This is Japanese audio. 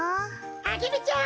アゲルちゃん！